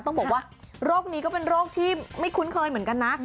ต้องบอกว่าโรคนี้ก็เป็นโรคที่ไม่คุ้นเคยเหมือนกันนะ